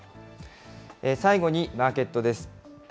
最後にマーケットです。